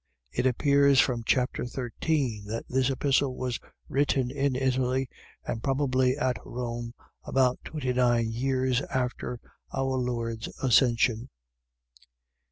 It appears from chap. 13 that this Epistle was written in Italy, and probably at Rome, about twenty nine years after our Lord's Ascension.